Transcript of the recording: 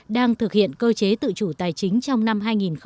đang thực hiện cơ chế tự chủ tài chính trong năm hai nghìn một mươi tám